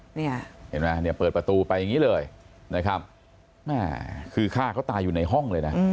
เห็นไหมเปิดประตูไปอย่างนี้เลยคือค่าเขาตายอยู่ในห้องเลยนะ